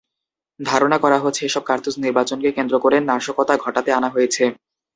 ধারণা করা হচ্ছে, এসব কার্তুজ নির্বাচনকে কেন্দ্র করে নাশকতা ঘটাতে আনা হয়েছে।